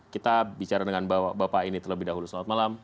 kita bicara dengan bapak ini terlebih dahulu selamat malam